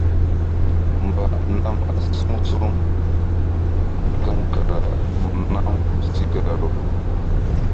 Mba nam a suŋ suŋ gaŋ kara ɓa nam sí gahru.